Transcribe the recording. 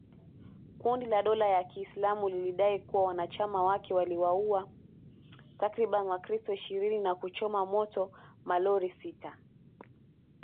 Kundi la dola ya Kiislamu lilidai kuwa wanachama wake waliwauwa takribani wakristo ishirini na kuchoma moto malori sita